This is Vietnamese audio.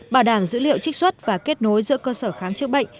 bảo đảm dữ liệu trích xuất và kết nối giữa cơ sở khám chữa bệnh